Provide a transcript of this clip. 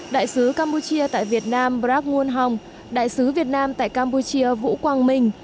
đại sứ campuchia tại việt nam brac nguyen hong đại sứ việt nam tại campuchia vũ quang minh